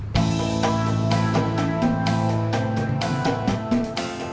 tanyanya sama dia